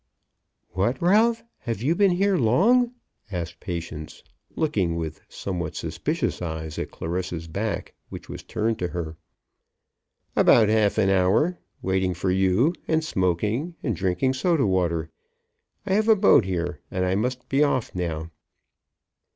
"What; Ralph? Have you been here long?" asked Patience, looking with somewhat suspicious eyes at Clarissa's back, which was turned to her. "About half an hour, waiting for you, and smoking and drinking soda water. I have a boat here, and I must be off now."